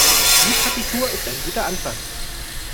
Die Partitur ist ein guter Anfang.